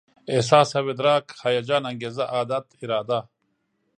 احساس او ادراک، هيجان، انګېزه، عادت، اراده